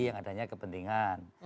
yang adanya kepentingan